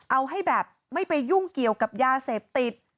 เอาให้แบบไม่ไปยุ่งเกี่ยวกับยาเสพติด